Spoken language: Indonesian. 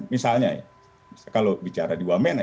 misalnya kalau bicara di wamena